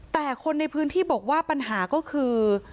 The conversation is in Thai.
แต่คนในพื้นที่บอกว่าปัญหาก็คือ